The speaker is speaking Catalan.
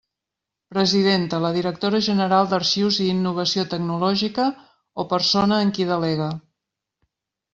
Presidenta: la directora general d'Arxius i Innovació Tecnològica o persona en qui delegue.